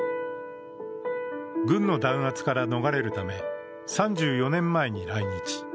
軍の弾圧から逃れるため、３４年前に来日。